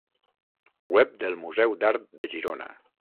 Web del Museu d'Art de Girona.